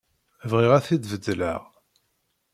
Bɣiɣ ad t-id-beddleɣ.